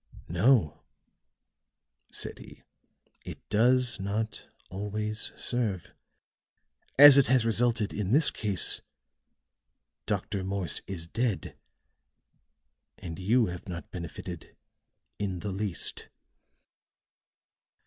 "No," said he, "it does not always serve. As it has resulted in this case, Dr. Morse is dead, and you have not benefited in the least."